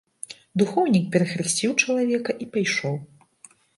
Духоўнік перахрысціў чалавека і пайшоў.